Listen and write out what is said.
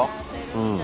うん。